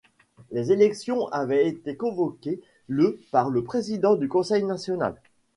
Les élections avaient été convoquées le par le président du Conseil national.